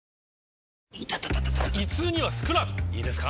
イタタ．．．胃痛にはスクラートいいですか？